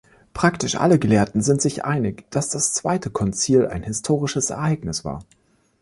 Praktisch alle Gelehrten sind sich einig, dass das zweite Konzil ein historisches Ereignis war.